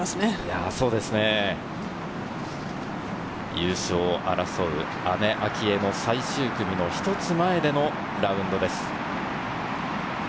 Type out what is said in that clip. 優勝を争う姉・明愛の最終組の１つ前のラウンドです。